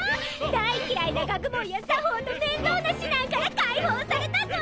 大嫌いな学問や作法と面倒な指南から解放されたぞ！